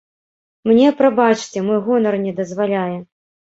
Мне, прабачце, мой гонар не дазваляе.